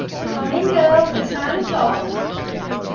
"Come in, girls. It's nine o'clock."